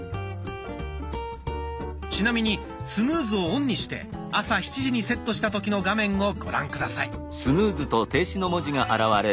ちなみにスヌーズをオンにして朝７時にセットした時の画面をご覧下さい。